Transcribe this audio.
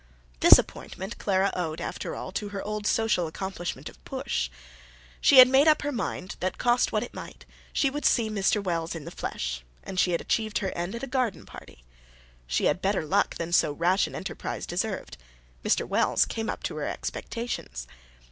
This appointment Clara owed, after all, to her old social accomplishment of Push. She had made up her mind that, cost what it might, she would see Mr. Wells in the flesh; and she had achieved her end at a garden party. She had better luck than so rash an enterprise deserved. Mr. Wells came up to her expectations.